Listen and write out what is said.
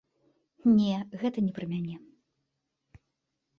Не, гэта не пра мяне.